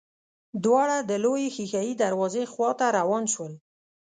دواړه د لويې ښېښه يي دروازې خواته روان شول.